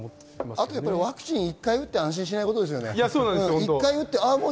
あと一つ、ワクチンを１回打って安心しないっていうことですかね。